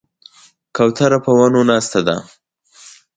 کوتره په ونو ناسته ده.